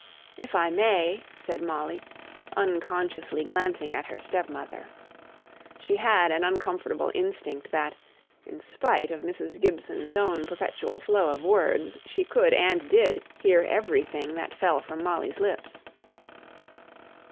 "If I may," said Molly, unconsciously glancing at her stepmother. She had an uncomfortable instinct that, in spite of Mrs. Gibson's own perpetual flow of words, she could, and did, hear everything that fell from Molly's lips.